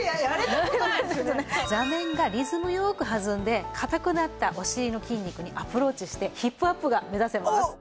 座面がリズム良く弾んで硬くなったお尻の筋肉にアプローチしてヒップアップが目指せます。